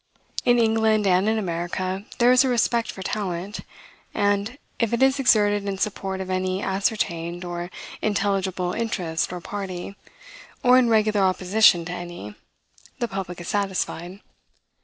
In England and in America there is a respect for talent; and, if it is exerted in support of any ascertained or intelligible interest or party, or in regular opposition to any, the public is satisfied.